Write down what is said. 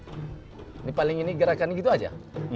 ini paling ini gerakannya gitu aja